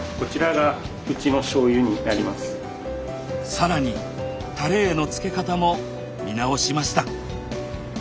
更にタレへの漬け方も見直しました。